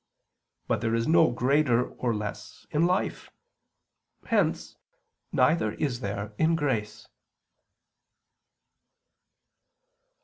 But there is no greater or less in life. Hence, neither is there in grace.